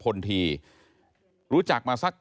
เขาได้เล่าว่ารู้จักกับนายเอ็มชื่อจริงคือนายพลสรรรัตนพลธี